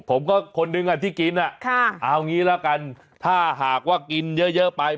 คนหนึ่งที่กินเอางี้ละกันถ้าหากว่ากินเยอะไป